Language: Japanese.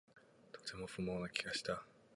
とても不毛な気がした